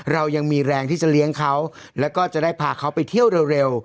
เรายังมีแรงที่จะเลี้ยงเขาแล้วก็จะได้พาเขาไปเที่ยวเร็ว